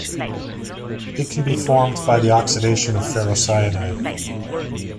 It can be formed by the oxidation of ferrocyanide.